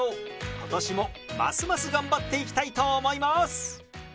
今年もますます頑張っていきたいと思います！